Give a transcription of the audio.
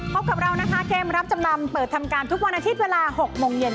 พบกับเรานะคะเกมรับจำนำเปิดทำการทุกวันอาทิตย์เวลา๖โมงเย็น